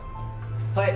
はい！